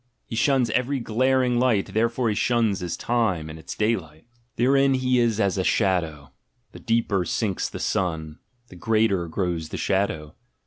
He shuns every glaring light: therefore he shuns his time and its "daylight." Therein he is as a shadow; the deeper sinks the sun, the greater grows the shadow.